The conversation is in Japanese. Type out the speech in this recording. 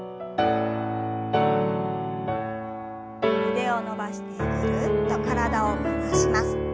腕を伸ばしてぐるっと体を回します。